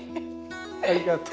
ありがとう。